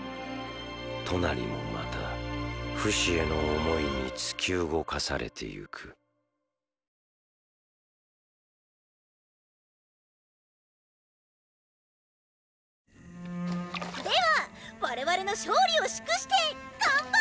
トナリもまたフシへの思いに突き動かされていくでは我々の勝利を祝して！